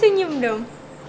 apa senyum dong